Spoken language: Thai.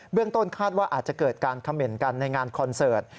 เบื้องต้นคาดว่าอาจจะเกิดการคำเหม็นกันในงานคอนเสิร์ต